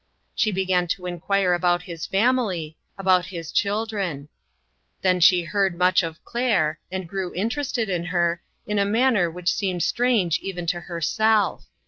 She began to inquire about his family, about his chil dren. Then she heard much of Claire, and grew interested in her, in a manner which seemed strange even to herself.